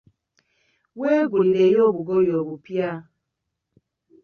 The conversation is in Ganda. Weegulireyo obugoye obupya.